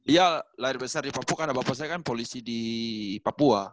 iya lahir besar di papua karena bapak saya kan polisi di papua